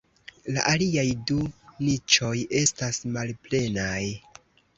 La aliaj du niĉoj estas malplenaj.